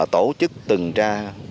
tổ chức tần tra